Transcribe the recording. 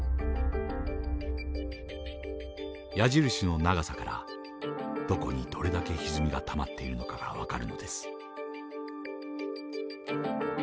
矢印の長さからどこにどれだけひずみがたまっているのかが分かるのです。